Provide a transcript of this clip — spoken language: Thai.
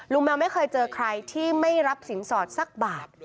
แมวไม่เคยเจอใครที่ไม่รับสินสอดสักบาท